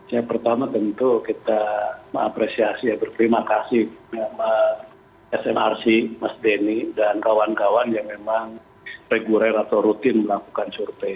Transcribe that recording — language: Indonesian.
ya pertama tentu kita mengapresiasi ya berterima kasih smrc mas denny dan kawan kawan yang memang reguler atau rutin melakukan survei